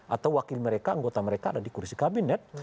atau wakil mereka anggota mereka ada di kursi kabinet